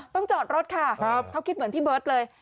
จอดรถค่ะเขาคิดเหมือนพี่เบิร์ตเลย